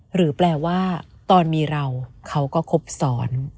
หรือแปลว่าตอนมีเราเขาก็ครบซ้อน